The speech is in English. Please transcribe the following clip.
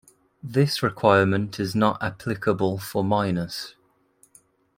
This requirement is not applicable for minors.